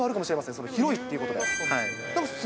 その広いっていうことで。